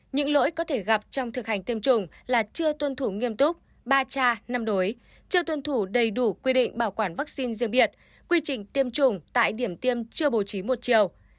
những lỗi có thể gặp trong thực hành tiêm chủng là chưa tuân thủ nghiêm túc ba cha năm đối chưa tuân thủ đầy đủ quy định bảo quản vaccine riêng biệt quy trình tiêm chủng tại điểm tiêm chưa bổ trí một chiều